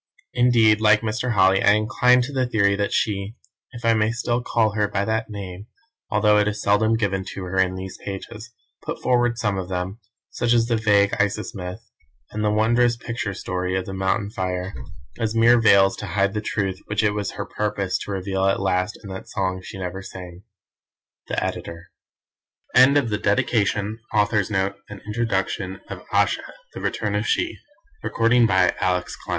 Indeed, like Mr. Holly, I incline to the theory that She, if I may still call her by that name although it is seldom given to her in these pages, put forward some of them, such as the vague Isis myth, and the wondrous picture story of the Mountain fire, as mere veils to hide the truth which it was her purpose to reveal at last in that song she never sang. The Editor. AYESHA The Further History of She Who Must Be Obeyed CHAPTER I THE DOUBLE SIGN Hard on twenty years have gone by since that